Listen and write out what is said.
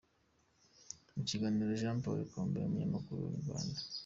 Mu kiganiro na Jean Paul Ibambe, umunyamakuru wa Inyarwanda.